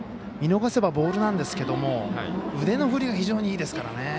見逃せばボールなんですが腕の振りが非常にいいですからね。